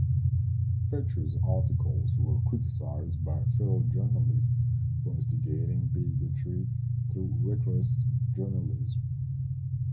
Fechter's articles were criticized by fellow journalists for instigating bigotry through reckless journalism.